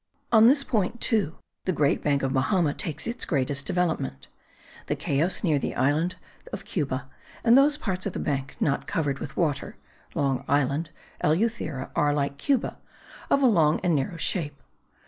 On this point, too, the Great Bank of Bahama takes its greatest development. The Cayos nearest the island of Cuba and those parts of the bank not covered with water (Long Island, Eleuthera) are, like Cuba, of a long and narrow shape.